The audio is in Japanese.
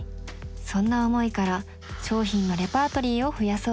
そんな思いから商品のレパートリーを増やそうと始めた。